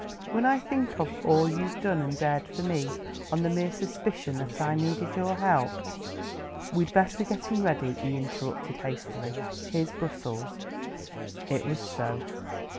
"When I think of all you've done and dared for me, on the mere suspicion that I needed your help " "We'd best be getting ready," he interrupted hastily. "Here's Brussels." It was so.